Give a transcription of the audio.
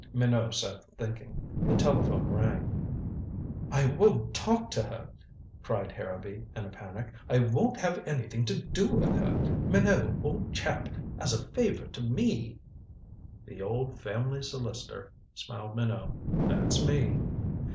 Minot sat thinking. The telephone rang. "I won't talk to her," cried Harrowby in a panic. "I won't have anything to do with her. Minot, old chap as a favor to me " "The old family solicitor," smiled Minot. "That's me."